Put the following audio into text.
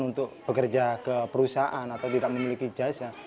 untuk bekerja ke perusahaan atau tidak memiliki jasa